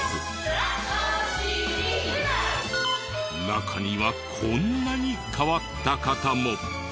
中にはこんなに変わった方も。